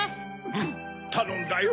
うんたのんだよ。